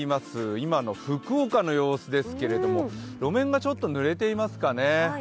今の福岡の様子ですけれども路面がちょっとぬれていますかね。